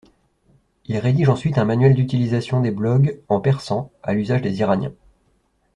Il rédige ensuite un manuel d'utilisation des blog en persan, à l'usage des Iraniens.